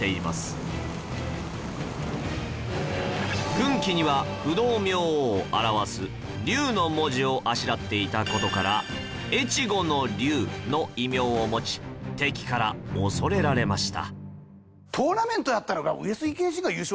軍旗には不動明王を表す「龍」の文字をあしらっていた事から「越後の龍」の異名を持ち敵から恐れられました